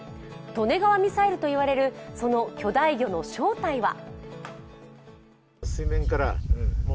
利根川ミサイルといわれるその巨大魚の正体とは？